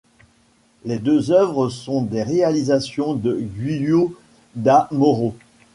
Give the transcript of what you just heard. Les deux œuvres sont des réalisations de Giulio da Moro.